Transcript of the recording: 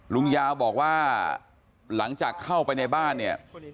ลุงยาวบอกว่าหลังจากเข้าไปในบ้านเนี่ย